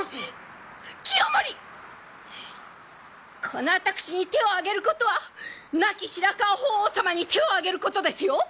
この私に手を上げることは亡き白河法皇様に手を上げることですよ！